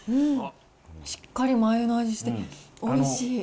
しっかりマー油の味しておいしい！